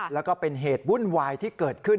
แล้วก็เป็นเหตุวุ่นวายที่เกิดขึ้น